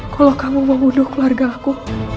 kalau kamu mau bunuh keluarga aku